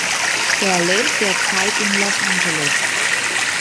Er lebt derzeit in Los Angeles.